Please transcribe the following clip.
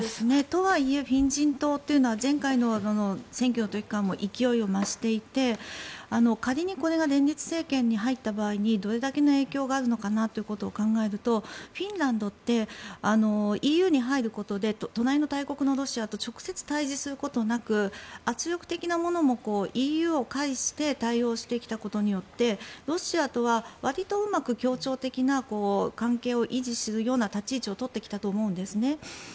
とはいえフィン人党というのは前回の選挙の時から勢いを増していて、仮にこれが連立政権に入った場合にどれだけの影響があるのかなということを考えるとフィンランドってＥＵに入ることで隣の大国のロシアと直接対峙することなく圧力的なものもＥＵを介して対応してきたことによってロシアとは、わりとうまく協調的な関係を維持するような立ち位置を取ってきたと思うんですね。